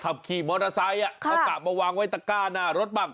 ขับขี่มอเตอร์ไซค์เอากะมาวางไว้ตะก้าหน้ารถบ้าง